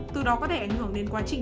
từ đó có thể ảnh hưởng đến bệnh